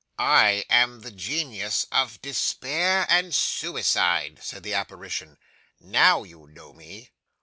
'"I am the Genius of Despair and Suicide," said the apparition. "Now you know me."